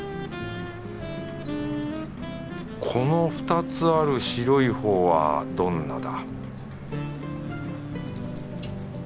この２つある白いほうはどんなだ？